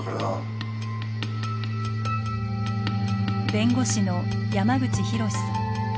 弁護士の山口広さん。